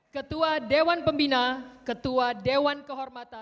ketua dewan pembina ketua dewan kehormatan